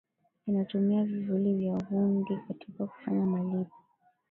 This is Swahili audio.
inatumia vivuli vya hundi katika kufanya malipo